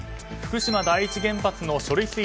福島第一原発の処理